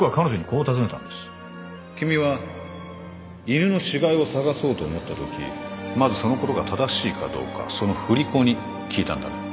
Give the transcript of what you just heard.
君は犬の死骸を捜そうと思ったときまずそのことが正しいかどうかその振り子に聞いたんだね？